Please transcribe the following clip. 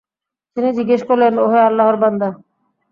তিনি জিজ্ঞেস করলেন, ওহে আল্লাহর বান্দা!